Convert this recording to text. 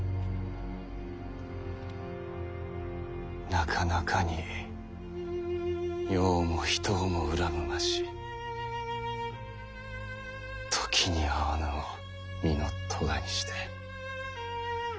「なかなかに世をも人をも恨むまじ時に合わぬを身の咎にして」。